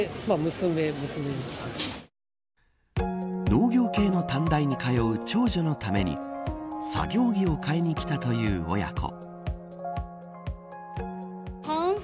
農業系の短大に通う長女のために作業着を買いに来たという親子。